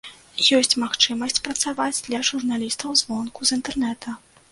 Ёсць магчымасць працаваць для журналістаў звонку, з інтэрнэта.